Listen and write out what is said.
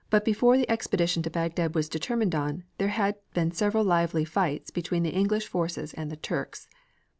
Before the expedition to Bagdad was determined on, there had been several lively fights between the English forces and the Turks.